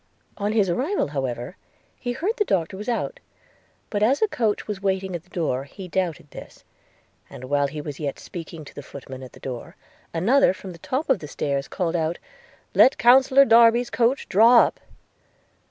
On his arrival, however, he heard the Doctor was out: but as a coach was waiting at the door, he doubted this; and, while he was yet speaking to the footman at the door, another from the top of the stairs called out, 'Let counsellor Darby's coach draw up!'